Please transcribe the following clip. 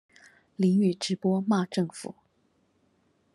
淋雨直播罵政府